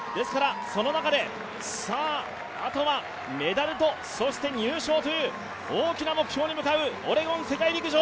その中で、あとはメダルと入賞という大きな目標に向かうオレゴン世界陸上。